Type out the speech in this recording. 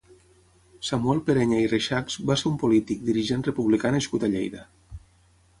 Samuel Pereña i Reixachs va ser un polític, dirigent republicà nascut a Lleida.